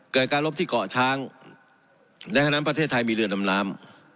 เกิดการรบที่เกาะช้างในฮนามประเทศไทยมีเรือนลำน้ำ